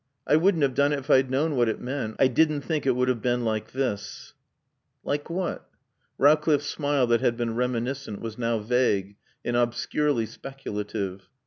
I wouldn't have done it if I'd known what it meant. I didn't think it would have been like this." "Like what?" Rowcliffe's smile that had been reminiscent was now vague and obscurely speculative.